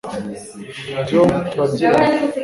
Ibyo turabyemera